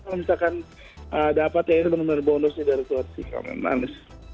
tapi kalau misalkan dapat ya itu benar benar bonus dari suatu si komen anmes